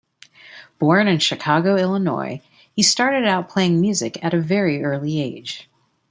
Born in Chicago, Illinois, he started out playing music at a very early age.